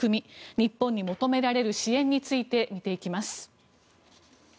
日本に求められる支援について見ていきます。